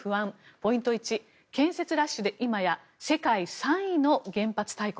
ポイント１、建設ラッシュで今や世界３位の原発大国。